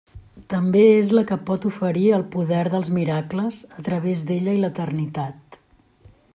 També és la que pot oferir el Poder dels Miracles a través d'ella i l'Eternitat.